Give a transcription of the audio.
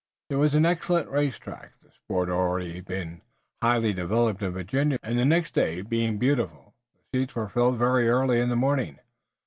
There was an excellent race track, the sport already being highly developed in Virginia, and, the next day being beautiful, the seats were filled very early in the morning.